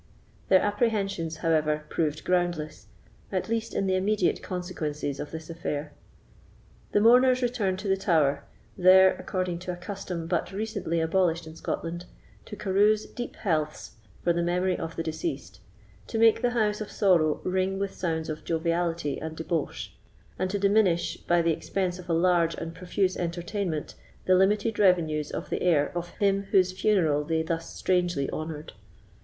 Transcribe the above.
Their apprehensions, however, proved groundless, at least in the immediate consequences of this affair. The mourners returned to the tower, there, according to a custom but recently abolished in Scotland, to carouse deep healths to the memory of the deceased, to make the house of sorrow ring with sounds of joviality and debauch, and to diminish, by the expense of a large and profuse entertainment, the limited revenues of the heir of him whose funeral they thus strangely honoured.